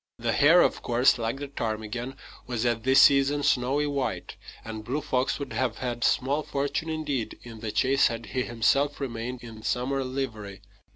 The hare, of course, like the ptarmigan, was at this season snowy white; and Blue Fox would have had small fortune, indeed, in the chase had he himself remained in summer livery.